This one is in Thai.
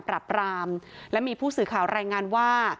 ขับการปรับรามและมีผู้สื่อข่าวรายงานว่า